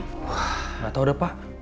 wah ga tau deh pak